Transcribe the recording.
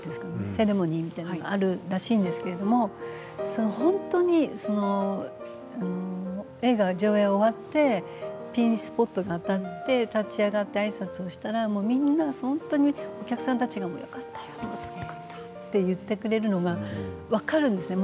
セレモニーみたいなものがあるらしいんですけれど、本当に映画の上映が終わってピンスポットが当たって立ち上がってあいさつをしたらみんなが本当にお客さんたちがよかったよ、すごかったと言ってくれるのが分かるんですね。